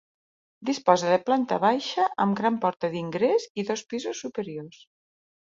Disposa de planta baixa, amb gran porta d'ingrés i dos pisos superiors.